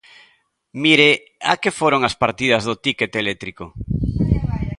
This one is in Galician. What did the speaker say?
Mire, ¿a que foron as partidas do tícket eléctrico?